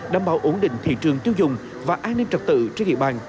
đảm bảo ổn định thị trường tiêu dùng và an ninh trật tự trên địa bàn